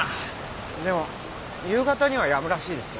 でも夕方にはやむらしいですよ。